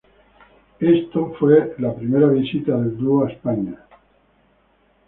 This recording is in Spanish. Esto fue la primera visita del Dúo a España.